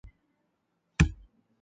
يؤمن فاضل بربّ الإسلام.